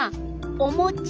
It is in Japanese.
おもち。